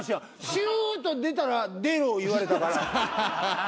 シューッと出たら出ろ言われたから。